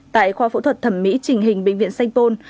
tại khoa phẫu thuật thẩm mỹ trình hình bệnh viện sanh pôn